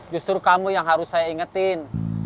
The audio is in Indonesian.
justru kamu yang harus saya ingetin